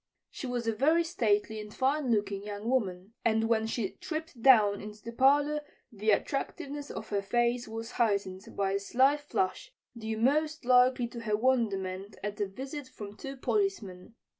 She was a very stately and fine looking young woman, and when she tripped down into the parlor the attractiveness of her face was heightened by a slight flush, due most likely to her wonderment at a visit from two policemen.